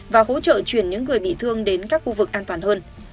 và hỗ trợ chuyển những người bị thương đến các khu vực an toàn hơn